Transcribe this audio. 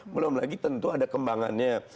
belum lagi tentu ada kembangannya